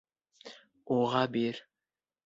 Уға бир.